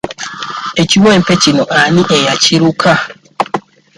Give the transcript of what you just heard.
Ekiwempe kino ani eyakiruka?